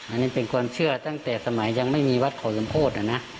อันนี้เป็นความเชื่อตั้งแต่สมัยยังไม่มีวัดเขาสมโพธินะ